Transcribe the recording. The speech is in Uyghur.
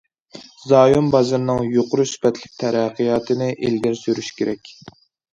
زايوم بازىرىنىڭ يۇقىرى سۈپەتلىك تەرەققىياتىنى ئىلگىرى سۈرۈش كېرەك.